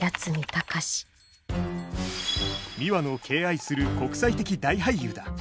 ミワの敬愛する国際的大俳優だ。